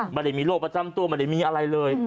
ไม่ได้มีโรคประจำตัวไม่ได้มีอะไรเลย